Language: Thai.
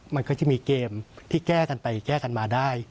มันก็จะมีเกมที่แก้กันไปแก้กันมาได้